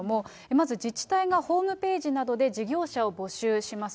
まず自治体がホームページなどで事業者を募集します。